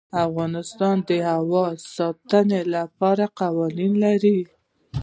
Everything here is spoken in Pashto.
افغانستان د هوا د ساتنې لپاره قوانین لري.